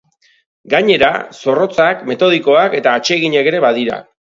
Gainera, zorrotzak, metodikoak eta atseginak ere badira.